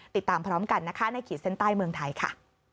ติดตามพร้อมกันนะคะในขีดเส้นใต้เมืองไทยค่ะ